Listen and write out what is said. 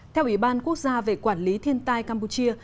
theo ủy ban quốc gia về quản lý thiên tai campuchia